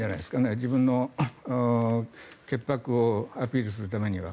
自分の潔白をアピールするためには。